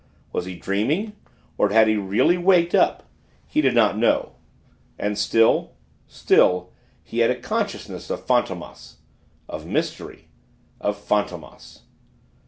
Was he dreaming, or had he really waked up? He did not know. And still, still he had a consciousness of Fantômas of mystery of Fantômas!